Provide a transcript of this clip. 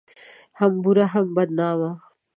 هم بوره ، هم بدنامه